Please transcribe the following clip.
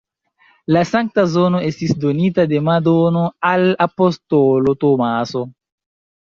La sankta zono estis donita de Madono al apostolo Tomaso.